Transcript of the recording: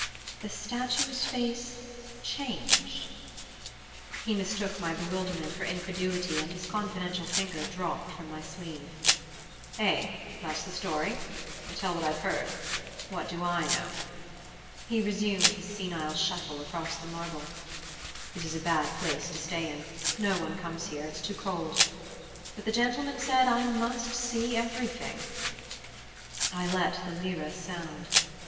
"The statue's face changed ?" He mistook my bewilderment for incredulity and his confidential finger dropped from my sleeve. "Eh, that's the story. I tell what I've heard. What do I know?" He resumed his senile shuffle across the marble. "This is a bad place to stay in no one comes here. It's too cold. But the gentleman said, I must see everything!" I let the lire sound.